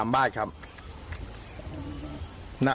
๑๓บ้านครับ